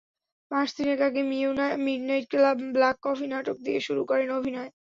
মাস তিনেক আগে midnight black coffee নাটক দিয়ে শুরু করেন অভিনয়।